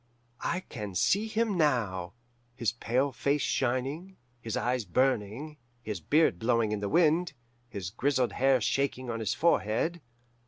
I can see him now, his pale face shining, his eyes burning, his beard blowing in the wind, his grizzled hair shaking on his forehead.